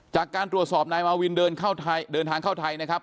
จากการตรวจสอบนายมาวินเดินทางเข้าไทยนะครับ